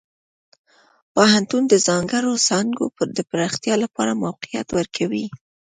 پوهنتون د ځانګړو څانګو د پراختیا لپاره موقعیت ورکوي.